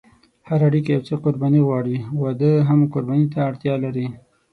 هره اړیکه یو څه قرباني غواړي، واده هم قرباني ته اړتیا لري.